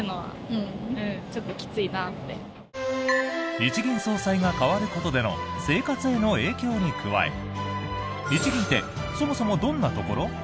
日銀総裁が代わることでの生活への影響に加え日銀ってそもそもどんなところ？